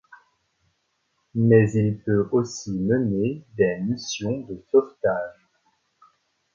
Mais il peut aussi mener des missions de sauvetage.